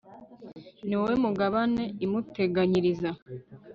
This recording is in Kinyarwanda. ni wo mugabane imuteganyiriza